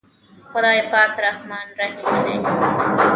خداے پاک رحمان رحيم دے۔